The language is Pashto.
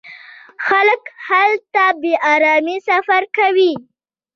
خلک هلته په ارامۍ سفر کوي.